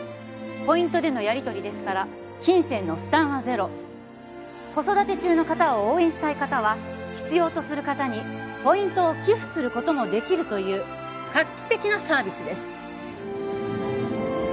ポイントでのやりとりですから金銭の負担はゼロ子育て中の方を応援したい方は必要とする方にポイントを寄付することもできるという画期的なサービスです